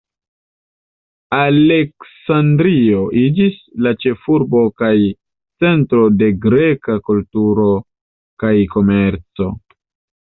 Aleksandrio iĝis la ĉefurbo kaj centro de greka kulturo kaj komerco.